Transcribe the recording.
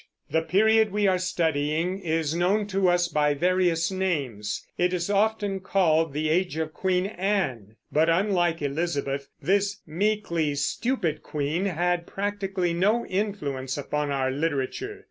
The period we are studying is known to us by various names. It is often called the Age of Queen Anne; but, unlike Elizabeth, this "meekly stupid" queen had practically no influence upon our literature.